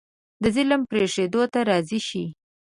د ظلم پرېښودو ته راضي شي.